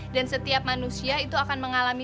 dan setiap manusia itu akan mengalami